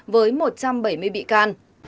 với một trăm bảy mươi bị can